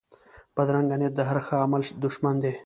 بدرنګه نیت د هر ښه عمل دشمن دی